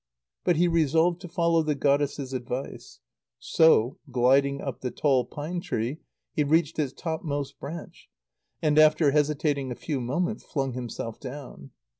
But he resolved to follow the goddess' advice. So, gliding up the tall pine tree, he reached its topmost branch, and, after hesitating a few moments, flung himself down.